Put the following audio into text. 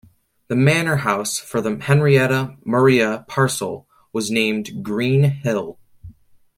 The manor house for the Henrietta Maria parcel was named Green Hill.